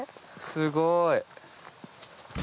すごい。